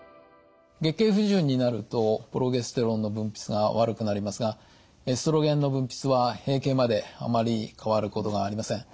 月経不順になるとプロゲステロンの分泌が悪くなりますがエストロゲンの分泌は閉経まであまり変わることがありません。